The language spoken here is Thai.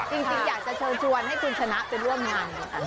จริงอยากจะเชิญชวนให้คุณชนะไปร่วมงาน